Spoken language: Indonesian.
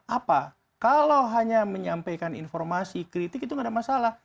apa kalau hanya menyampaikan informasi kritik itu tidak ada masalah